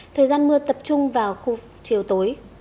thời gian mưa tập trung vào khu chiều tối